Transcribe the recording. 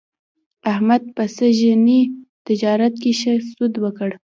احمد په سږني تجارت کې ښه سود وکړ.